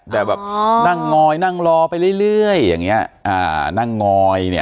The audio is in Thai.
แต่แบบนั่งงอยนั่งรอไปเรื่อยอย่างเงี้อ่านั่งงอยเนี่ย